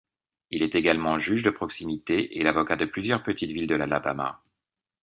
Il est également juge de proximité et l'avocat de plusieurs petites villes de l'Alabama.